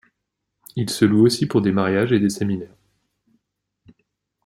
Il se loue aussi pour des mariages et des séminaires.